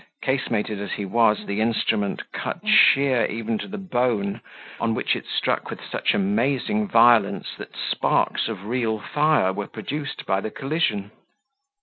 Casemated as he was, the instrument cut sheer even to the bone, on which it struck with such amazing violence, that sparks of real fire were produced by the collision.